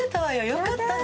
よかったね。